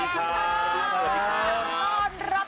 สวัสดีครับ